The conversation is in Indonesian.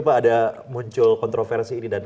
kenapa enggak perhubungannya di ganti